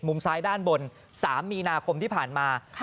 ซ้ายด้านบน๓มีนาคมที่ผ่านมา